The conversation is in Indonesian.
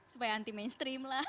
supaya anti mainstream lah